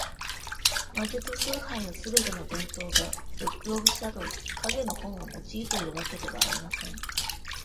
魔術崇拝のすべての伝統が、「Book of Shadows（ 影の本）」を用いているわけではありません。